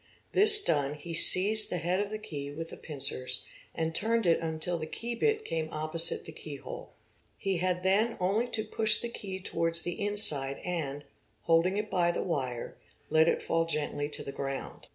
This done he seized the head — of the key with the pincers and turned it until the key bit came opposite the keyhole; he had then only to push the key towards the inside and, holding it by the wire, let it fall gently to the ground.